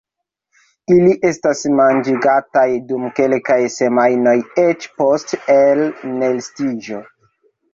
Ili estas manĝigataj dum kelkaj semajnoj eĉ post elnestiĝo.